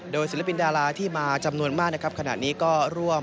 โดยศิลปินดาราที่มาจำนวนมากขนาดนี้ก็ร่วม